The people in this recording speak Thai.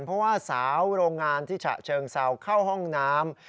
เพราะว่าสาวโรงงานที่ฉะเชิงเซาเข้าห้องน้ำ